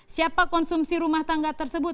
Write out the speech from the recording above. siapa konsumsi rumah tangga tersebut